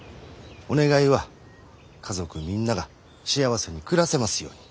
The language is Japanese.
お願いは家族みんなが幸せに暮らせますように。